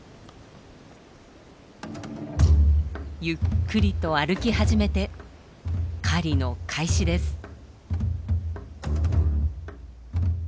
ゆっくりと歩き始めて狩りの開始です。